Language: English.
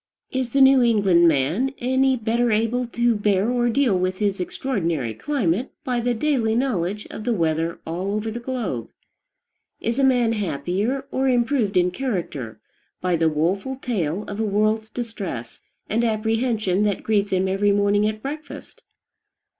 Is the New England man any better able to bear or deal with his extraordinary climate by the daily knowledge of the weather all over the globe? Is a man happier, or improved in character, by the woful tale of a world's distress and apprehension that greets him every morning at breakfast?